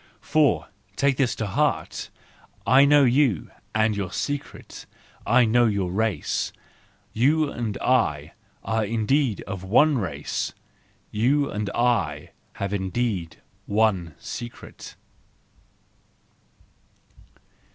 For —take this to heart!—I know you and your secret, I know your race! You and I are indeed of one race! You and I have indeed one secret!